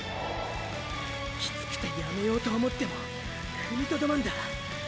きつくてやめようと思っても踏みとどまんだ。